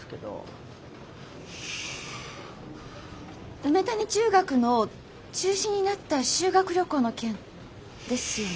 梅谷中学の中止になった修学旅行の件？ですよね？